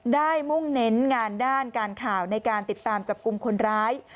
มุ่งเน้นงานด้านการข่าวในการติดตามจับกลุ่มคนร้าย